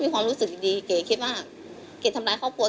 พี่ลองคิดดูสิที่พี่ไปลงกันที่ทุกคนพูด